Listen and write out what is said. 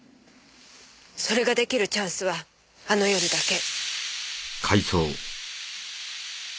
それができるチャンスはあの夜だけ。